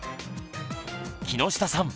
木下さん